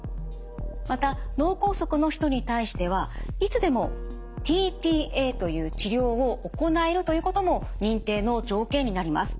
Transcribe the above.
また脳梗塞の人に対してはいつでもｔ−ＰＡという治療を行えるということも認定の条件になります。